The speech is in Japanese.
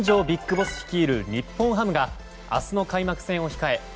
ビッグボス率いる日本ハムが明日の開幕戦を控え